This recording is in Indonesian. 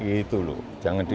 itu loh jangan di